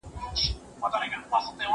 زه به سبا ته فکر وکړم!.